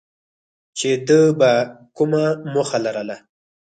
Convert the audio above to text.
چې ده بیا کومه موخه لرله.